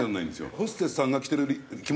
ホステスさんが着てる着物